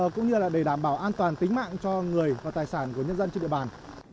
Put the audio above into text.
cũng như là để đảm bảo an toàn tính mạng cho người và tài sản của nhân dân trên địa bàn